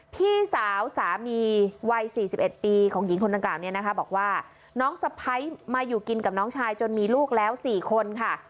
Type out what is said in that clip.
พี่สาวสามีวัย๔๑ปีของหญิงคนดังกล่าวเนี่ยนะคะบอกว่าน้องสะพ้ายมาอยู่กินกับน้องชายจนมีลูกแล้ว๔คนค่ะ